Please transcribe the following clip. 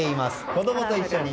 子供と一緒に。